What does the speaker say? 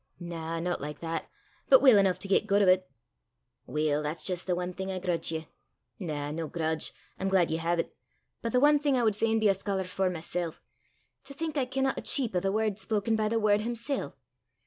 "Na, no like that; but weel eneuch to get guid o' 't." "Weel, that's jist the ae thing I grutch ye na, no grutch I'm glaid ye hae 't but the ae thing I wud fain be a scholar for mysel'! To think I kenna a cheep o' the word spoken by the Word himsel'!"